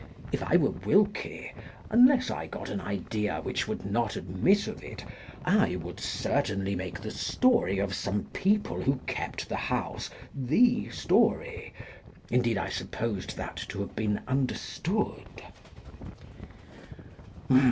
If I were Wilkie, unless I got an idea which would not admit of it, I would certainly make the story of some people who kept the house, the story. Indeed, I supposed that to have been understood.